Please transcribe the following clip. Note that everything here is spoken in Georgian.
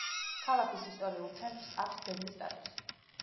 ქალაქის ისტორიულ ცენტრს აქვს ძეგლის სტატუსი.